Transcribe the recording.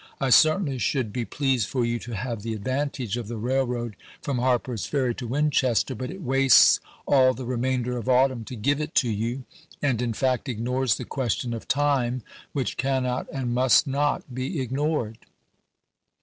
I certainly should be pleased for you to have the advantage of the railroad from Harper's Ferry to Winchester, but it wastes all the remainder of autumn to give it to you, and in fact ignores the question of time, which cannot and must not be ignored.